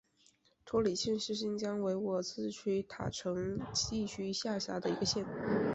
托里县是新疆维吾尔自治区塔城地区下辖的一个县。